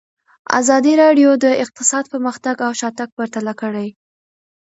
ازادي راډیو د اقتصاد پرمختګ او شاتګ پرتله کړی.